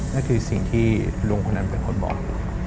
นั่นคือสิ่งที่ลุงคนนั้นเป็นคนบอก